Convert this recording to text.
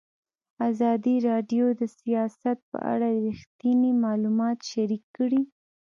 ازادي راډیو د سیاست په اړه رښتیني معلومات شریک کړي.